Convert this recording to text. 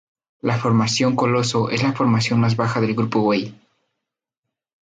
La formación Coloso es la formación más baja del Grupo Way.